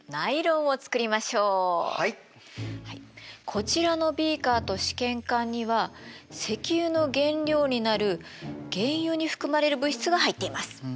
こちらのビーカーと試験管には石油の原料になる原油に含まれる物質が入っています。